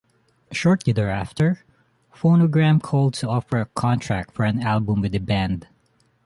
Shortly thereafter, Fonogram called to offer a contract for an album with the band.